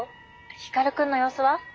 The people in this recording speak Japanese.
光くんの様子は？